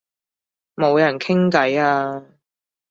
冇人傾偈啊